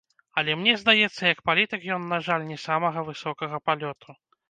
Але, мне здаецца, як палітык ён, на жаль, не самага высокага палёту.